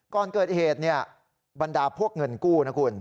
ก่อนเกิดเหตุบรรดาพวกเงินกู้นะคุณ